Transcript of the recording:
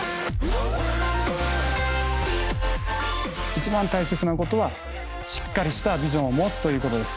一番大切なことはしっかりしたビジョンを持つということです。